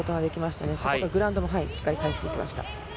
そしてグラウンドをしっかり返してきました。